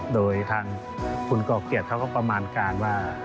โดยทางคุณก่อเกียรติเขาก็ประมาณการว่า